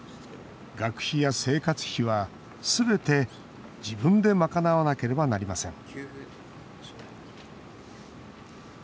学費や生活費は、すべて自分で賄わなければなりません